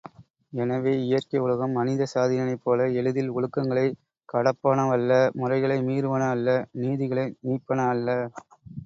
எனவே, இயற்கை உலகம், மனித சாதியினைப்போல எளிதில் ஒழுக்கங்களைக் கடப்பனவல்ல முறைகளை மீறுவன அல்ல நீதிகளை நீப்பன அல்ல.